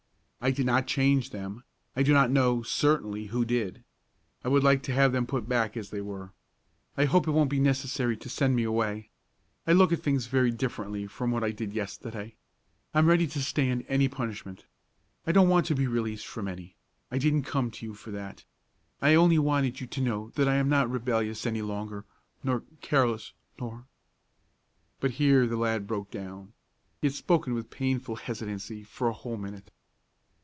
I did not change them; I don't know, certainly, who did. I would like to have them put back as they were. I hope it won't be necessary to send me away. I look at things very differently from what I did yesterday. I am ready to stand any punishment. I don't want to be released from any, I didn't come to you for that; I only wanted you to know that I'm not rebellious any longer nor careless nor " But here the lad broke down. He had spoken with painful hesitancy for a whole minute.